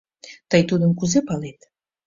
Тый тудым кузе палет?